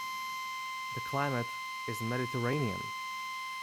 The climate is Mediterranean.